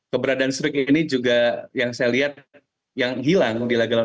keberadaan struik ini juga yang saya lihat yang hilang di lagu lalu